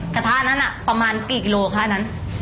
กระทะนั้นประมาณกี่กิโลคะ